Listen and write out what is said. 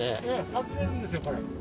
外れるんですよこれ。